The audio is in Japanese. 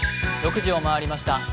６時を回りました。